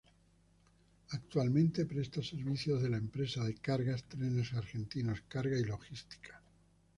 Actualmente, presta servicios de la empresa de cargas Trenes Argentinos Cargas y Logística.